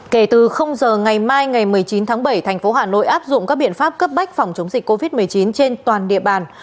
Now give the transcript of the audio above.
kể từ giờ ngày mai ngày một mươi chín tháng bảy thành phố hà nội áp dụng các biện pháp cấp bách phòng chống dịch covid một mươi chín trên toàn địa bàn